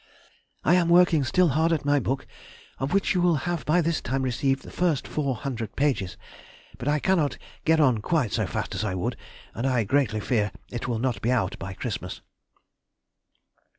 I am working still hard at my book (of which you will have by this time received the first four hundred pages), but I cannot get on quite so fast as I would, and I greatly fear it will not be out by Christmas.